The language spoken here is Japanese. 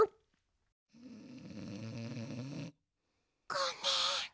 ごめん。